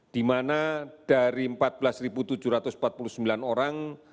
di mana dari empat belas tujuh ratus empat puluh sembilan orang